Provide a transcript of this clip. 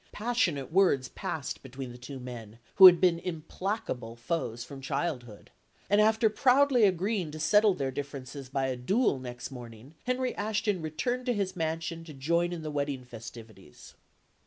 Passionate words passed between the two men, who had been implacable foes from childhood; and after proudly agreeing to settle their differences by a duel next morning, Henry Ashton returned to his mansion to join in the wedding festivities.